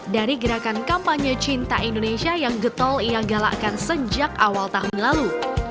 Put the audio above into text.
dari gerakan kampanye cinta indonesia yang getol ia galakkan sejak awal tahun lalu